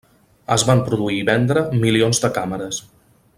Es van produir i vendre milions de càmeres.